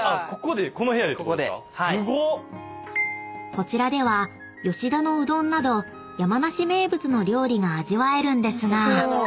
［こちらでは吉田のうどんなど山梨名物の料理が味わえるんですが］